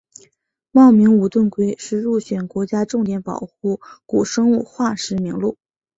茂名无盾龟是入选国家重点保护古生物化石名录。